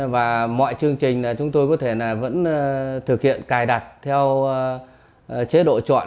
và mọi chương trình chúng tôi có thể vẫn thực hiện cài đặt theo chế độ chọn